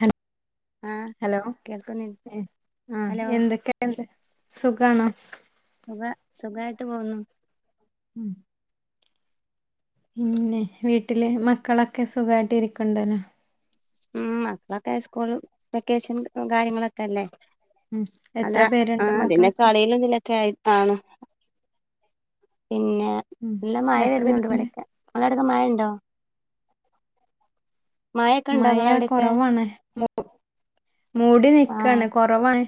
Hello ആഹ് hello കേൾക്കുന്നി ഏഹ് ആഹ് ഹലോ എന്തൊക്കെ ണ്ട് സുഖാണോ? സുഖ സുഖായിട്ട് പോകുന്നു. ഉം പിന്നെ വീട്ടില് മക്കളൊക്കെ സുഖായിട്ട് ഇരിക്കണ്ടല്ലോ. ഉം മക്കളൊക്കെ സ്കൂൾ വെക്കേഷൻ കാര്യങ്ങളൊക്കെ അല്ലേ. ഉം അല്ലാ. എത്ര പേരുണ്ട് ആഹ് അതിൻ്റെ മക്കളൊക്കെ കളിയിലിതിലൊക്കെ ആയി ആണ് പിന്നെ ഉം നല്ല മഴ എത്ര വരുന്നുണ്ട് പേരുണ്ട് ഇവിടെയൊക്കെ. അങ്ങടൊക്കെ മഴണ്ടോ? മഴയൊക്കെ ഉണ്ടോ മയ നിങ്ങളെ അവിടെയൊക്കെ കുറവാണ്. മൂ മൂടി ആഹ് നിക്കാണ്. കൊ റവാണ്.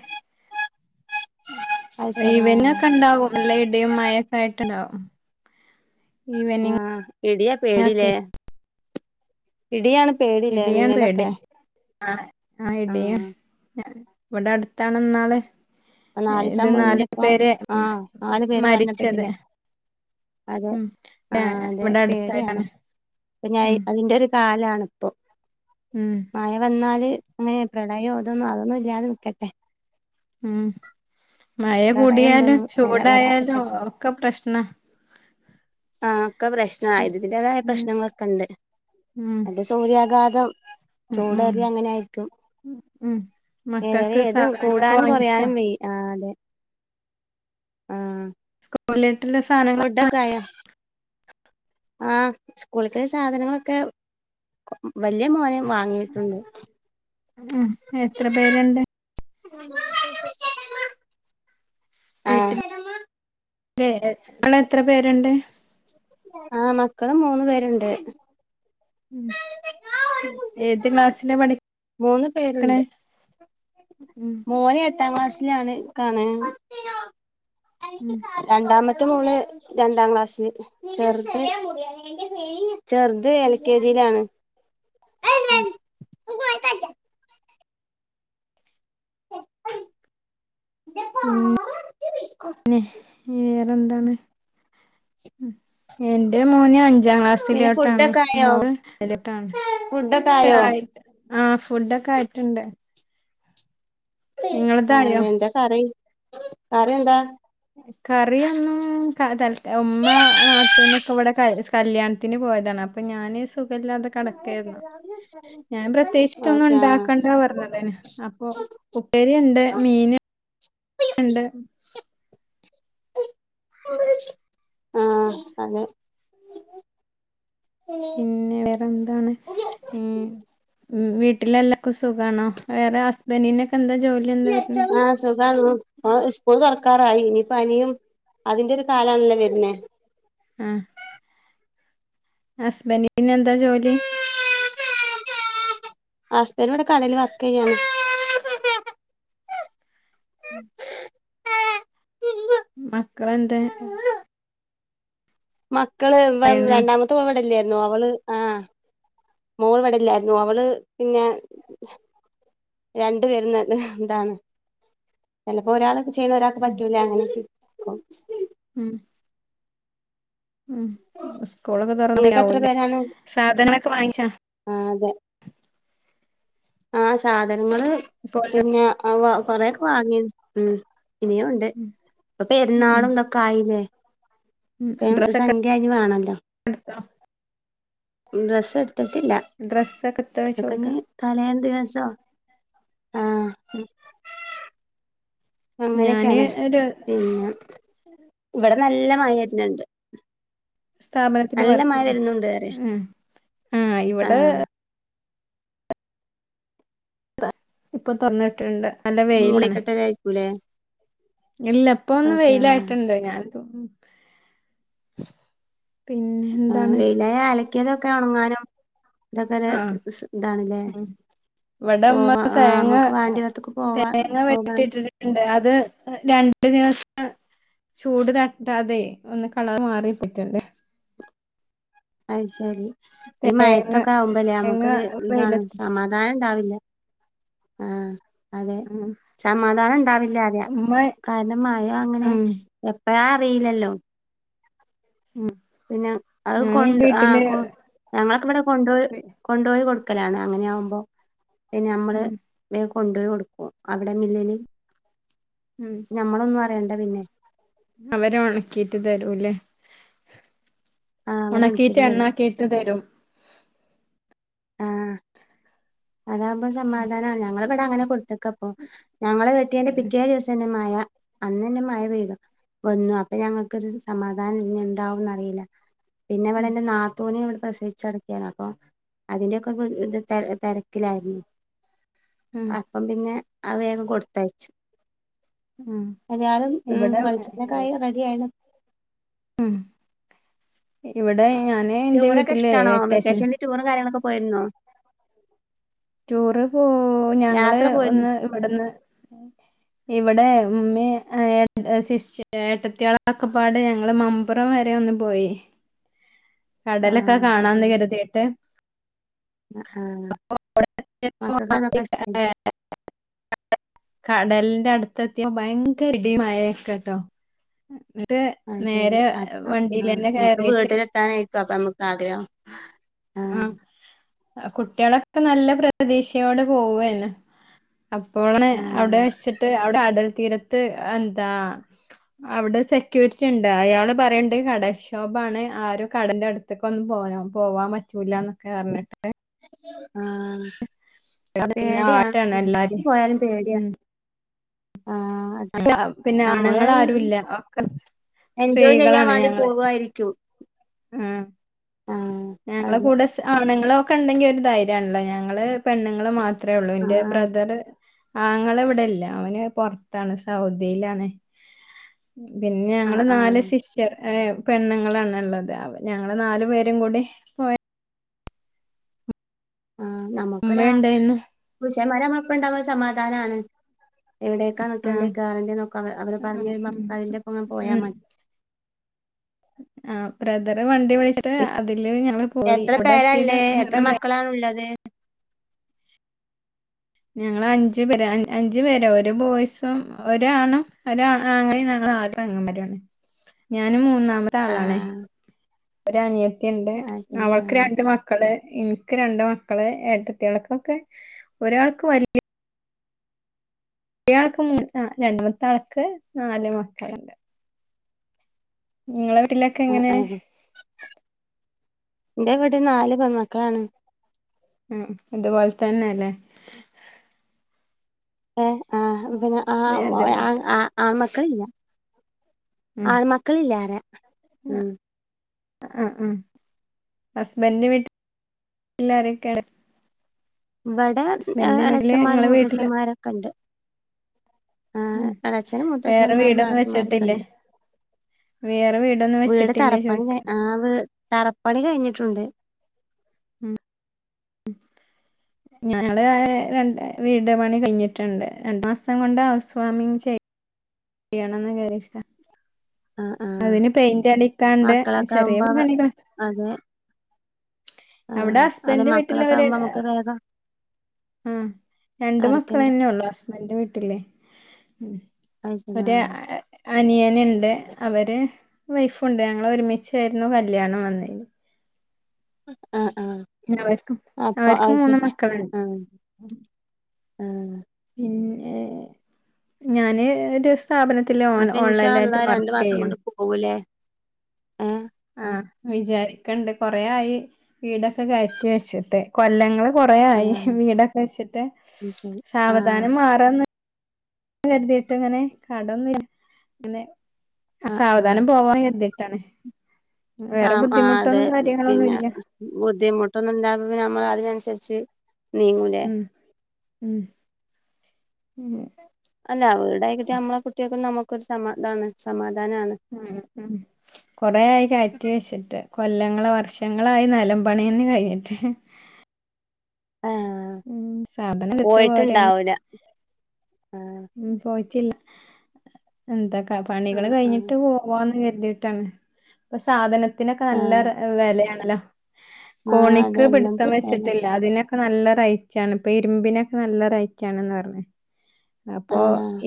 അത് ശരി ആഹ് ഈവിനിങ്ങൊക്കെ ഉണ്ടാവും. നല്ല ഇടിം മയക്കയിട്ടുണ്ടാവും ആഹ് ഇടിയാ ഒക്കെ പേടില്ലേ ഇടിയാണ് പേ ഇടയാണ് പേടി ആഹ് ആഹ് ഇടി ഇവിടെ അടുത്താണ്ന്നാള ഇപ്പൊ നാല്സം മുന്നേ ഇപ്പ ആഹ് നാലു പേര് മരിച്ചത് മരണപ്പെട്ടില്ലേ അതെ ഉം ആഹ് അതെ ഇവിടെ പേടിയാണ് അടുത്തായിട്ടാണ് ഞ ഉം അയിന്റെ ഒരു കാലാണിപ്പോ ഉം മയ വന്നാല് അങ്ങനെ പ്രളയോ അതോന്നും അതൊന്നും ഇല്ലാതെ നിക്കട്ടെ ഉം മഴ പ്രളയം കൂടിയാലും ഇതൊന്നും വരാ ചൂടായാലും വരാതെക്കട്ടെ ഒക്കെ പ്രശ്ന ആഹ് ഒക്കെ പ്രശ്ന ഉം അതിൻ്റേതായ പ്രശ്നങ്ങളൊക്കെ ഉണ്ട് ഉം മറ്റേ സൂര്യാഘാതം ഉം ഉം ചൂടറിയ അങ്ങനെയിരിക്കും ഉം ഏത മക്കൾക്ക് ഏത സാധനങ്ങളൊക്കെ കൂടാനും വാങ്ങിച്ചാ കുറയാനും വയ്യ ആഹ് അതെ ആഹ് സ്‌കൂളിലോടുള്ള സാധനങ്ങ ഫുഡക്കെ ആയോ ആഹ് സ്‌കൂളിത്തെ സാധനങ്ങളൊക്കെ വലിയ മോൻ വാങ്ങിയിട്ടുണ്ട് ഉം എത്ര പേരുണ്ട് [unintelligible] ആഹ് [unintelligible] ങ്ങൾ എത്ര പേരുണ്ട് ആഹ് മക്കൾ മൂന്നു പേരുണ്ട് ഉം ഏത് ക്ലാസ്സില പഠി മൂന്ന് പേരുണ്ട് ഉം മോൻ എട്ടാം ക്ലാസ് ആണ് കാണ് ഉം രണ്ടാമത്തെ മോള് രണ്ടാം ക്ലാസ്സ് ചെർത് ചെർത് എൽ കെ ജിലാണ് ഉം [inaudible] ഉം പിന്നെ വേറെത്താണ് എന്റെ മോന് അഞ്ചാം പിന്നെ ക്ലാസ്സിലോട്ടാണ് മോൾ ലോട്ടാണ് ഫുഡോക്കെ ആയോ ആഹ് ഫുഡോക്കെ ആയിട്ടുണ്ട് നിങ്ങളതായോ ആഹ് എന്താ കറി കറി എന്താ കറിയൊന്നും തൽ ഉമ്മ നാത്തുനൊക്കെ ഇവിടെ ക കല്യാണത്തിന് പോയതാണ് അപ്പൊ ഞാന് സുഖമല്ലാതെ കെടക്കാരുന്നു ഞാൻ പ്രത്യേകിച്ചന്നും ഓക്കെ ഉണ്ടാക്കണ്ടാ പറഞ്ഞതേന് അപ്പൊ ഉപ്പേരി ഉണ്ട് മീൻ ഉണ്ട് ആഹ് അതെ പിന്നെ വേറെന്താണ് ഉം ഉം വീട്ടിലെല്ലർക്കും സുഖാണോ വേറെ ഹസ്ബൻ്റ്നൊക്കെ എന്താ ജോലി എന്താ വരുന്നെ ആഹ് സുഖാണ് ആഹ് സ്കൂൾ തുറക്കാറായി ഇനിപ്പോ പനിയും അതിന്റെ ഒരു കാലാണല്ലേ വരുന്നേ ആഹ് ഹസ്ബൻ്റ് ന് എന്താ ജോലി ഹസ്ബൻ്റ് ഇവിടെ കാടേല് വർക്ക് ചെയ്യാന് [unintelligible] മക്കളെന്തേ മക്കള് പറയുന്ന രണ്ടാമത്തെ മക്കൾ ഇവിടെലെർന്നു അവള് ആഹ് മോള് വടെ ല്ലാരുന്നു അവള് പിന്നെ രണ്ട് പെരുന്ന് ന്താണ് ചെലപ്പോ ഒരാള് ചി ചി ഒരാക്ക് ഉം പറ്റൂല അങ്ങനെക്കെ പ്പം ഉം ഉം സ്കൂളൊക്കെ നിങ്ങക്ക് എത്ര തുറന്നില്ലാവൂല്ലേ പേരാണ് സാധനൊക്കെ വാങ്ങിച്ചാ ആഹ് അതെ ആഹ് സാധനങ്ങള് സ്കൂളില് പിന്നെ അവ കൊറേക്കെ വാങ്ങി ഉം ഇനിയൂണ്ട് ഉം പ്പ ഉം പെരുന്നാളും തൊക്കെ ആയില്ലേ ഉം പേ ഡ്രസ്സൊക്കെ സംഖ്യാ അയിന് വേണല്ലോ ഡ്രസ്സ് എടുത്തിട്ടില്ല ഡ്രസ്സൊക്കെടൂ ത്തോ അതൊക്കെ ചോയിക്കാ ഇനി തലേ ദിവസം ആഹ് ഉം ഞാന് അങ്ങനെയക്കെയാണ് ഒരു പിന്നെ ഇവടെ നല്ല മഴരുന്ണ്ട് സ്ഥാപനത്തിന് മഴ വർക്ക്ലഉം വരുന്നുണ്ട് പറയാ ആഹ് ആ ഇവടെ ഇപ്പൊ തൊറന്നിട്ട്ണ്ട് നല്ല വെയില്ലണെ മൂടിക്കെട്ടലായിരിക്കൂലേ ഇല്ല ഇപ്പൊന്ന് ഓക്കെ ആ വെയിലായിട്ട്ണ്ട് ഞാൻ പോ ഉം [inaudible] ആഹ് എന്താണ് വെയിലായാ അലക്കെതൊക്കെ ഒണങ്ങാനും തൊക്കെ ഒരു സ് ഇതാണല്ലേ ഇവിടെമ്മ പോവാ ആ തേങ്ങ നമുക്ക് അഹ് വാണ്ടിയോടത്തൊക്കെ പോവാ തേങ്ങ പോകാൻ വെട്ടിട്ട് ഇണ്ട് അത് രണ്ടു ദിവസം ചൂട് തട്ടാതെ ഒന്ന് കളർ മാറി പറ്റ്ണ്ട് അയ് ശരി ഈ തേങ്ങ മയത്തൊക്കെ ആവുമ്പല്ലേ തേങ്ങ നമക്കൊരു ഇതാണ് വെയിലത്ത് സമാധാനണ്ടാവില്ല ആഹ് അതെ ഉം സമാധാനണ്ടാവില്ല അറിയാ ഉമ്മ കാരണം മഴ അങ്ങനെ ഉം എപ്പഴാ അറിയില്ലല്ലോ ഉം പിന്നെ അത് ഞാന് എന്റെ കൊണ്ട് ആഹ് വീട്ടില് കൊ ഞങ്ങളൊക്കെ ഇവടെ കൊണ്ടോയി കൊണ്ടോയി കൊടുക്കലാണ് അങ്ങനെ ആകുമ്പോ പിന്നെ നമ്മള് ഉം വേ കൊണ്ടേ കൊടുക്കും അവിടെ മില്ലില് ഉം ഞമ്മളൊന്നു അറിയണ്ട പിന്നെ അവര് ഒണക്കീറ്റ് തരൂല്ലേ ആഹ് അവര് ഒണക്കിയിറ്റ് ഒണക്കിയിട്ട് തരും എണ്ണാക്കീട്ട് തരും ആഹ് അതാകുമ്പോ സമാധാനാണ് ഞങ്ങളവടെ അങ്ങനെ കൊട്ത്ത്ക്ക പ്പൊ ഞങ്ങള് വെട്ടിയേന്റെ പിറ്റേ ദിവസന്നെമഴ അന്നന്നെ മഴ പെയ്തു വന്നു അപ്പൊ ഞങ്ങക്കൊരു സമാധാനം ഇഞ്ഞി എന്താവും ന്നറീല പിന്നെ ഇവടെ ഉം എന്റെ നാത്തൂന് ഇവടെ പ്രസവിച്ചടക്കെണ് അപ്പൊ അതിൻ്റൊക്കെ ത് തെര തെര ക്ക്ലായിരുന്നു ഉം അപ്പം പിന്നെ അഹ് വേഗം കൊടുത്തയച്ചു ഉം എത്യാലും ഉം ഇവിടെ വെളിച്ചെണ്ണക്കായി റെഡി ആയിണ് ഉം ഇവടെ ഞാന് എന്റെ വീട്ടിലേ വെക്കേഷൻ ട്ടൂറും കാര്യങ്ങളൊക്കെ പോയിരുന്നോ ട്ടൂറ് പോ ഞങ്ങള് യാത്ര പോയിരുന്നു ഒന്ന് ഇവിടന്ന് ഇവടെ ഉമ്മീ ഏഹ് ശിഷ് ഏട്ടത്ത്യെളൊക്കെ പ്പാടെ ഞങ്ങള് മം മ്പുറം വരെ ഒന്ന് പോയി ആ കടലൊക്കെ അത് കാണാന്ന് ശരി കരുതീട്ട്. ആ [unintelligible] മക്കൾക്ക് അതൊക്കെ ഇഷ്ടാ കടല്ന്റെ അടുത്തെത്ത്യപ് ഭയങ്കര ഇടി മഴക്കെട്ടോ അഹ് ശരി അഹ് അഹ് ആഹ് വണ്ടിയിലന്നെ നമ്മുക്ക് കയറിട്ട് വീട്ടിലെത്താനയിക്കും. അപ്പൊ നമ്മക്ക് ആഗ്രഹം. ആഹ് കുട്ട്യേളൊക്കെ നല്ല പ്രതീക്ഷയോടെ പോവേന്ന്. അപ്പോണ് അവിടെ ആഹ് വെച്ചിട്ട് അവടെ അടൽ തീരത്ത് എന്താ അവിടെ സെക്യൂരിറ്റി ഇണ്ട് അയാള് പറയണ്ട് കടൽക്ഷോഭാണ് ആരും കടന്റെ അടു ത്ത്ക്കൊന്നും പോനോ പോവാൻ പറ്റൂല്ലന്നൊക്കെ പറ്ഞ്ഞിട്ട്. ആഹ് പിന്നെ പേട്യാ ആട്ടാണ് എല്ലാരും ഒട്ക്കും പോയാലും പേട്യാണ്. ആഹ് അതാ പിന്നെ നമ്മള് ആണുങ്ങാരുല്ല ഒക്കെ സ് എൻജോയ് ചെയ്യാൻ സ്ത്രീകളാണ് വേണ്ടി ഞങ്ങള് പോവായിരിക്കും ഉം ആഹ് ഞങ്ങളെ അതെ കൂടെ സ് ആണുങ്ങളൊ ഒക്കെ ഇണ്ടെങ്കി ഒരു ധൈര്യണല്ലോ ഞങ്ങള് പെണ്ണുങ്ങൾ മാത്ര ത്രേ ഒള്ളു ഇന്റെ ആഹ് ബ്രദറ് ആങ്ങള ഇവിടെല്ല അവന് പൊറത്താണ്. സൗദിയിലാണ്. പിന്നെ ഞങ്ങള് ആഹ് നാല് ആഹ് ശിസ് റ്ററ് എഹ് പെണ്ണുങ്ങളാണ് ഇള്ളത്. അപ്പ ഞങ്ങള് നാലു പേരും കൂടി പോയ ആഹ് നമുക്കൊരാ ആ ഉമ്മയുണ്ടായിരുന്നു പുരുഷന്മാരമ്മളൊപ്പം ഇണ്ടാവാ സമാധാനാണ്. എവിടേക്കാ നിക്കണ്ട് ആഹ് കേറണ്ടേന്നൊക്കെ അവ അവര് പറഞ്ഞ് ഉം തരുമ്പോ അയിൻ്റെപ്പം പോയാ ഉം മതി. ആഹ് ബ്രദറ് വണ്ടി വിളിച്ചിട്ട് അതില് ഞങ്ങള് പോയി. അവിടെ എത്തീട്ട് അങ്ങനെ നേ ക്കളാണുല്ലത്. ഞങ്ങള് അഞ്ച് പേരാ അഞ് അഞ്ചു പേര ഒരു ബോയ്സും ഒരാണും ഒരാ ആങ്ങളിം നങ്ങള് നാല് പെങ്ങമാരാണ് ഞാനും മൂന്നാമത്തെ ആളാണേ. ആഹ് ഒരനിയത്തിണ്ട് അത് ശരി ആഹ് അവൾക്ക് രണ്ട് മ ക്കള് ഇൻക്ക് രണ്ട് മക്കള് ഏട്ടത്ത്യോൾക്കൊക്കെ ഒരാൾക്ക് വല്ല്യ ആൾക്ക് മൂന്ന് രണ്ടാമത്തെ ആൾക്ക് നാല് മക്കള്ണ്ട്. ഇങ്ങളെ വീട്ടില് ആഹ് ആഹ് ഇന്റെ വീട്ടില് നാല് പെൺമക്കളാണ് ഉം ഇതുപോൽ തന്നെലെ ഏഹ് ആഹ് പിന്നെ ആഹ് ഉം ആ അതേപോലെ ആ ആൺമക്കളില്ല ഉം ആൺമ ക്കളിലാര ഉം ആഹ് ഉം ഹസ്ബൻഡിൻ്റെ വീട്ടിലാരക്കെ ഇള്ളേ ഇബടെ ഹ് വീട്ടില് എളെച്ചന്മാരും നിങ്ങളെ വീട്ടില് മൂത്തച്ഛന്മാരൊക്കെ ഇണ്ട്. ആഹ് ഉം എളേച്ഛനും വേറെ മൂത്തച്ഛന്മാരും വീടൊന്നും നാത്തൂന്മാരൊക്കെ വെച്ചിട്ടില്ലേ ഇണ്ട്. വേറെ വീടൊന്നും വീട് വെച്ചിട്ടില്ലേ തറപ്പണി ചോയിക്ക ആഹ് വീ തറപ്പണി കഴിഞ്ഞിട്ടുണ്ട്. ഉം ഞങ്ങള് രണ്ട് വീട് പണി കഴിഞ്ഞിട്ടുണ്ട് രണ്ട് മാസം കൊണ്ട് ഹൗസ് ഫാമിംഗ് ചെയ്യ യ്യണംന്ന് കരീക്ക. ആഹ് ആഹ് അതിന് പെയിന്റ് അടിക്കാണ്ട്. മക്കളൊക്കെ ചെറിയ ആകുമ്പോ വ- പണികള്. അതെ അവിടെ ആഹ് അല്ല ഹസ്ബൻഡിൻ്റെ വീട്ടില് മക്കളൊക്കെ അവര് ആകുമ്പോ ഹ്. നമുക്ക് വേഗം ഉം രണ്ട് ആരൊക്കെണ്ട് മക്കളെന്നെ ഒള്ളു ഹസ്ബൻഡിൻ്റെ വീട്ടില്. ഉം അത് ശരി ഒരാ അഹ് അനിയൻ ഇണ്ട്. അവര് വൈഫുണ്ട് ഞങ്ങള് ഒരുമിച്ചായിരുന്നു കല്യാണം വന്നേന്. ആഹ് ആഹ് ന്നെഅവർക്കും അപ്പൊ അത് അവർക്കും മൂന്ന് ശരി മക്കളുണ്ട് ഉം പിന്നെ ഞാന് ഒരു സ് സ്ഥാപനത്തില് ഓണ് ഓൺലൈനി ലായിട്ട് വർക്കയ്യണ്ട് ഉവ്വ്ലേ ഏഹ് ആഹ് വിചാരിക്കണ്ട് കൊറെ ആയി വീടൊക്കെ കയറ്റി വെച്ചിട്ട് കൊല്ലങ്ങള് കൊറേ ആയി ആഹ് വീടൊക്കെ വെച്ചിട്ട് അത് ശരി ആഹ് സാവാധാനം മാറാന്ന് കരുതീട്ട് ഇങ്ങനെ കടൊന്നും ഇങ്ങനെ ആഹ് ആഹ് സാവധാനം പോവാൻ കരുതി ട്ടാണ് വേറെ ആഹ് ആഹ് അതെ ബുദ്ധിമുട്ടൊന്നും കാര്യങ്ങളൊന്നു പിന്നെ ഇല്ല ബുദ്ധിമുട്ടൊന്നും ഇണ്ടാവാതെ നമ്മള് അതിനനുസരിച്ച് നീങ്ങൂലേ ഉം ഉം ഉ അല്ല അവരുടെ ആയിക്കിട്ടിയ നമ്മളെ കുട്ടികൾക്കും നമുക്കൊരു സമാധാണ് സമാധാനമാണ് ഉം ഉം കൊറെ ആയി കായറ്റി വെച്ചിട്ട് കൊല്ലങ്ങള വർഷങ്ങളായി നെലം പണിന്നെ കഴിഞ്ഞിട്ട് ആ സാധനം എടുത്ത് പോരാണ് പോയിട്ടുണ്ടാവൂല ഉ പോയിട്ടില്ല എന്തക്ക പണികൾ ആഹ് ആഹ് കഴിഞ്ഞിട്ട് പോവും പോവാന്ന് കരുതിട്ടാണ് ഇപ്പൊ സാധനത്തിനൊക്കെ നല്ല ആഹ് വിലയാണല്ലോ ആഹ് അതെ കോണിക്ക് എല്ലാം പിടുത്തം തെറ്റാണ് വെച്ചിട്ടില്ല അതിനൊ ഒ നല്ലറേറ്റ്ണ് ഇപ്പൊ ഇരുമ്പിനൊക്കെ നല്ലറേറ്റാണ്ന്ന് പറഞ്ഞത് അപ്പൊ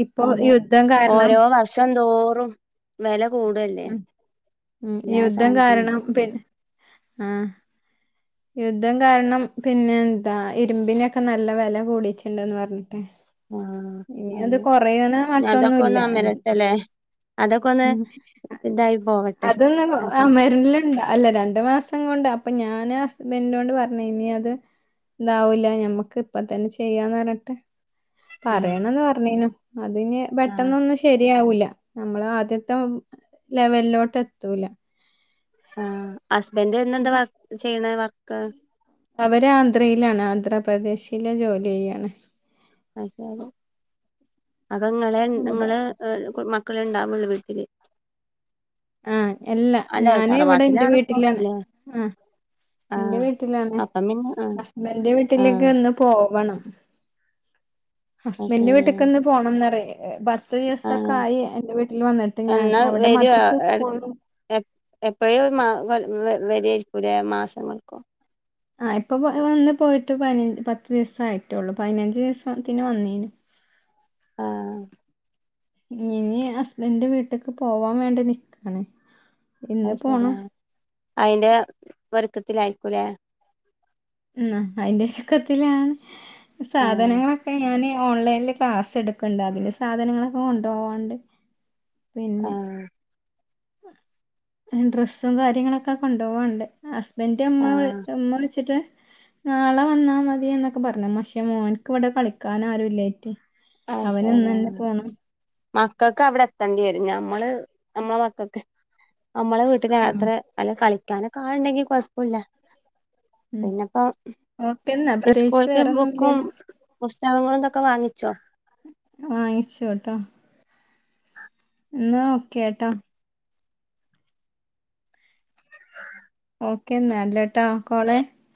ഇപ്പൊ യുദ്ധം കാരണം വർഷന്തോറും വില കൂടു അല്ലേ ഉ ഉ യുദ്ധം കാരണം പിന്നെ ആഹ യുദ്ധം കാരണം പിന്നെ എന്താ ഇരുമ്പിനൊക്കെ നല്ല വില കൂടിട്ടുണ്ടന്ന് പറഞ്ഞിട്ടെ ആഹ് ഇനി അത് അതെ കൊറയുന്ന അതൊക്കെ മട്ടൊന്നുല്ല ഒന്ന് അമരട്ടെല്ലേ അതൊക്കെ ഒന്ന് ഉം ഇതായി പോവട്ടെ അതൊന്ന് അപ്പം അമര്ൽ അല്ല രണ്ടു മാസം കൊണ്ട് അപ്പൊ ഞാൻ ആ ഹസ്ബന്റ് നോട്‌ പറഞ്ഞ ഇനി അത് താവൂല ഞമ്മക്ക് ഇപ്പ തന്നെ ചെയ്യാന്ന് പറഞ്ഞിട്ട് ആഹ് പറയണന്ന് പറഞ്ഞേനു അത് ഇനി ആഹ് പെട്ടെന്നൊന്നും ശരിയാവൂല്ല നമ്മൾ ആദ്യത്തെ ലെവലിലോട്ട് എത്തൂല ആ ഹസ്ബൻഡ എന്താ വ ചെയ്യണ വർക്ക് അവര് ആന്ധ്രയിലാണ് ആന്ധ്രാപ്രദേശില് ജോലി ചെയ്യാണ് അപ്പൊ നിങ്ങളെ ഇവിടെ നിങ്ങള് മക്കള ഉണ്ടാവകുള്ള വീട്ടില് ആഹ എല്ലാ അല്ല ഞാന് ഇവിടെ എന്റെ തറവാട്ടിലാണ് ഇപ്പൊ വീട്ടിലാണ് ല്ലേ ആഹ എന്റെ ആഹ് വീട്ടിലാണ് അപ്പം പിന്നെ ആഹ് ഹസ്ബൻന്റെ വീട്ടിലേക്ക് ആഹ് ഇന്ന് പോവണം അത് ഹസ്ബൻഡന്റെ ശരി വീട്ട്ക്ക ഇന്ന് പോണംന്ന്റ പത്ത് ദിവസൊക്കെ ആഹ് ആയി എന്റെ വീട്ടിൽ വന്നിട്ട് ഞാൻ എന്നാ അവിടെ മദ്രസ് സ്കൂള എപ്പോഴും മാ വരിഎക്കുലേ മാസങ്ങൾക്കോ ആ ഇപ്പൊ വന്ന് പോയിട്ട് പതിനഞ്ച് പത്ത് ദിവസം ആയിട്ടുള്ളൂ പതിനഞ്ച് ദിവസത്തിന് വന്നേന് [inaudible] ആഹ് ഇനി ഹസ്ബൻഡന്റെ വീട്ടിലേക്ക് പോവാൻ വേണ്ടി നിക്കാണ് അ ഇന്ന് ശരി പോണം ആ അയിന്റെ ഒരുക്കത്തിലയിക്കൂലേ ഉ അതിന്റെരുക്കത്തിലാണ് ആഹ് സാധനങ്ങളൊക്കെ ഞാന് ഓൺലൈനി ക്ലാ സെടുക്കണ്ട് അതിന്റെ സാധനങ്ങളൊക്കെ കൊണ്ടുപോവാണ്ട് പിന്നെ ആഹ് ഡ്രസ്സും കാര്യങ്ങളൊക്കെ കൊണ്ടുപോവണ്ട് ഹസ്ബൻഡന്റെ അമ്മ ആഹ് അമ്മ വിളിച്ചിട്ട് നാളെ വന്നാ മതി എന്നൊക്കെ പറഞ്ഞു പക്ഷേ മോൻക്ക് ഇവിടെ കളിക്കൻ ആരുല്ലായിട്ട് അത് അവന ശരി ഇന്നന്നെ പോണം മക്കൾക്ക് അവിടെ എത്തേണ്ടി വരും ഞമ്മള് നമ്മളെ മക്കൾക്ക് നമ്മള് ട്ട് ഉം ത്ര അല്ല കളിക്കാനൊക്കെ ആളുണ്ടെങ്കിൽ കുഴപ്പുല്ല ഉം പിന്നെപ്പോ ഓക്കെ എന്നാ പ്രത്യേകിച്ച് സ്കൂൾക്ക് ബുക്കും വേറൊന്നുംല്ലല്ലോ പുസ്തകങ്ങളും തൊക്കെ വാങ്ങിച്ചോ വാങ്ങിച്ചുട്ടോ ന്നാ ഓക്കെട്ടോ ഓക്കെന്നല്ട്ടോ കോള്